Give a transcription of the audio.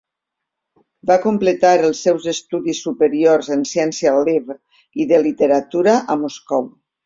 Va completar els seus estudis superiors en ciència Lviv i de literatura a Moscou.